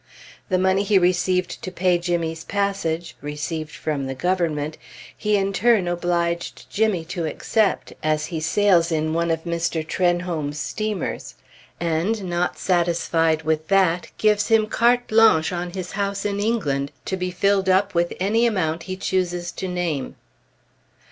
The money he received to pay Jimmy's passage (received from the Government) he in turn obliged Jimmy to accept, as he sails in one of Mr. Trenholm's steamers; and not satisfied with that, gives him carte blanche on his house in England, to be filled up with any amount he chooses to name.